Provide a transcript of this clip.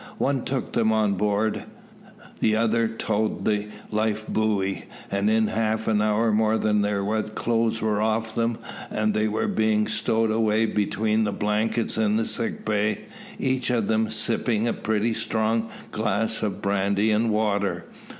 One took them on board the other towed the life buoy; and in half an hour more their wet clothes were off them, and they were being stowed away between the blankets in the sick bay, each of them sipping a pretty strong glass of brandy and water.